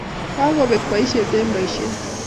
Kakobek boishet eng boishet